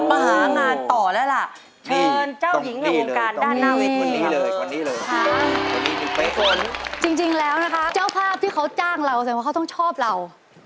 พี่ฝนมาเนี่ยแล้วเจ้าภาพมันคุณพ่อขาวมา